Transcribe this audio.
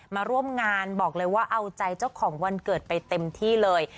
มาร่วมงานบอกเลยว่าเอาใจเจ้าของวันเกิดไปเต็มที่เลย